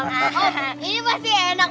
ini pasti enak